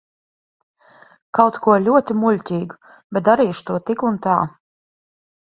Kaut ko ļoti muļķīgu, bet darīšu to tik un tā.